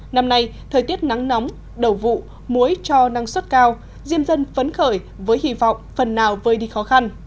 năm nay thời tiết nắng nóng đầu vụ muối cho năng suất cao diêm dân phấn khởi với hy vọng phần nào vơi đi khó khăn